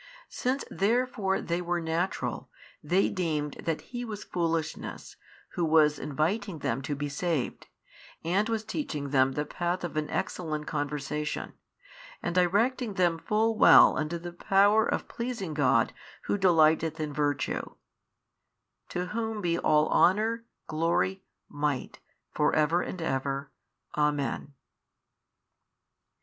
Since therefore they were natural, they deemed that He was foolishness Who was inviting them to be saved, and was teaching them the path of an excellent conversation, and directing them full well unto the power of pleasing God who delighteth in virtue, to whom be all honour, glory, might, for ever and ever. Amen.